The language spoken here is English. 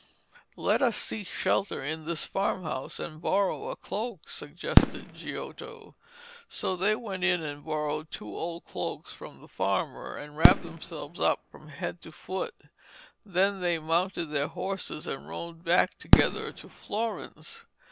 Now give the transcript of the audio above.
'Let us seek shelter in this farmhouse and borrow a cloak,' suggested Giotto. So they went in and borrowed two old cloaks from the farmer, and wrapped themselves up from head to foot. Then they mounted their horses and rode back together to Florence.